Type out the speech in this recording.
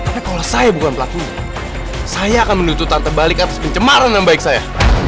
tapi kalau saya bukan pelakunya saya akan menuntutan terbalik atas pencemaran nama baik saya